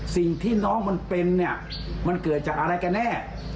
สิ่งที่น้องมันเป็นเนี่ยมันเกิดจากอะไรกันแน่